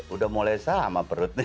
udah mulai sama perutnya